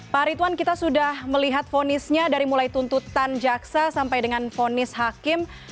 pak ritwan kita sudah melihat fonisnya dari mulai tuntutan jaksa sampai dengan vonis hakim